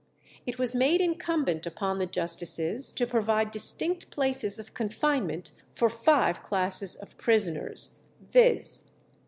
It was made incumbent upon the justices to provide distinct places of confinement for five classes of prisoners, viz.